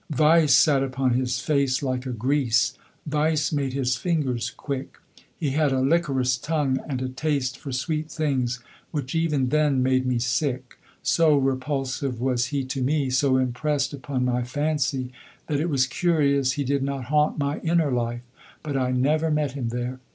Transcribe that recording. Vice sat upon his face like a grease; vice made his fingers quick. He had a lickorous tongue and a taste for sweet things which even then made me sick. So repulsive was he to me, so impressed upon my fancy, that it was curious he did not haunt my inner life. But I never met him there.